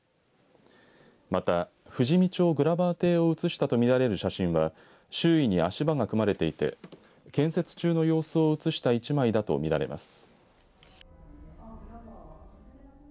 また富士見町グラバー邸を写したと見られる写真は周囲に足場が組まれていて建設中の様子を写した一枚だと見られます。